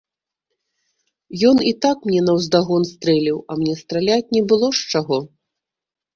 Ён і так мне наўздагон стрэліў, а мне страляць не было з чаго.